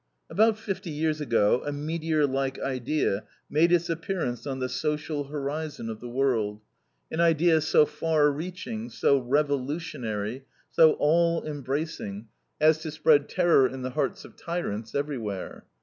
About fifty years ago, a meteor like idea made its appearance on the social horizon of the world, an idea so far reaching, so revolutionary, so all embracing as to spread terror in the hearts of tyrants everywhere.